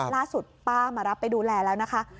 ล่าสุดป้ามารับไปดูแลแล้วนะคะ